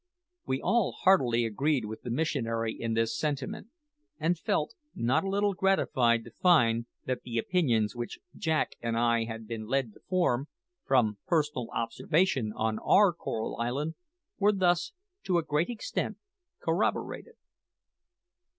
'" We all heartily agreed with the missionary in this sentiment, and felt not a little gratified to find that the opinions which Jack and I had been led to form, from personal observation on our Coral Island, were thus to a great extent corroborated.